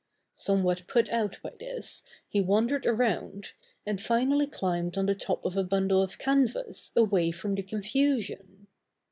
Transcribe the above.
Somewhat put out by this he wandered around, and finally climbed on the top of a bundle of canvas away from the confusion.